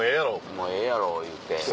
もうええやろいうて。